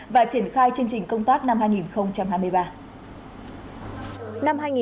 và triển khai chương trình công tác năm hai nghìn hai mươi ba